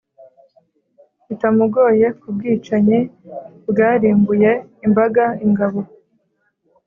bitamugoye ku bwicanyi bwarimbuye imbaga ingabo